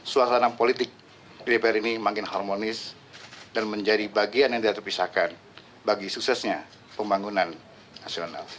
suasana politik di dpr ini makin harmonis dan menjadi bagian yang tidak terpisahkan bagi suksesnya pembangunan nasional